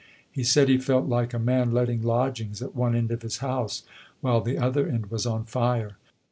He said he felt like a man letting lodgings at one end of his house, while the other end was on fire.